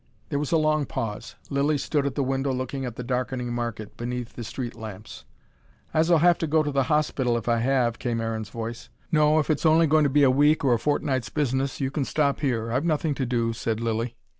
There was a long pause. Lilly stood at the window looking at the darkening market, beneath the street lamps. "I s'll have to go to the hospital, if I have," came Aaron's voice. "No, if it's only going to be a week or a fortnight's business, you can stop here. I've nothing to do," said Lilly.